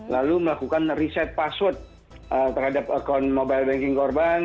lalu melakukan riset password terhadap akun mobile banking korban